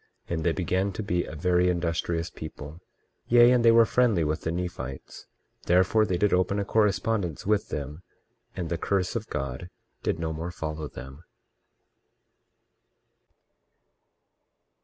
23:18 And they began to be a very industrious people; yea, and they were friendly with the Nephites; therefore, they did open a correspondence with them, and the curse of God did no more follow them.